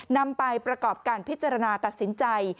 นำไปประกอบการพิจารณาตัดสินใจ